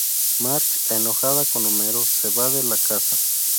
Marge, enojada con Homer, se va de la casa.